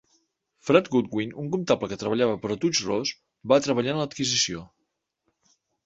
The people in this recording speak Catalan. Fred Goodwin, un comptable que treballava per a Touche Ross, va treballar en l'adquisició.